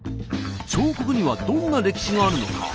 彫刻にはどんな歴史があるのか？